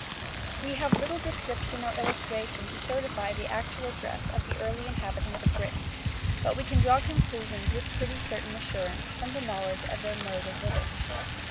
We have little description or illustration to certify the actual dress of the early inhabitants of Britain, but we can draw conclusions with pretty certain assurance, from the knowledge of their mode of living.